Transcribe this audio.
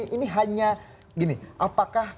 ini hanya gini apakah